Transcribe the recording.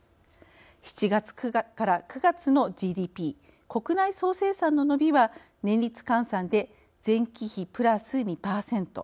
７月から９月のＧＤＰ＝国内総生産の伸びは年率換算で前期比プラス２％。